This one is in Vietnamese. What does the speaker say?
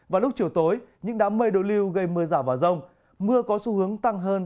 và lúc chiều tối những đám mây đối lưu gây mưa rào và rông mưa có xu hướng tăng hơn